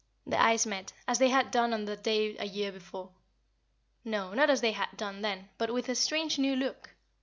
Their eyes met, as they had done on the day a year before. No, not as they had done then, but with a strange new look.